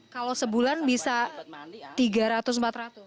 kalau sebulan bisa rp tiga ratus rp empat ratus